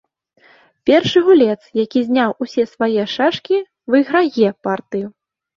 Першы гулец, які зняў усе свае шашкі, выйграе партыю.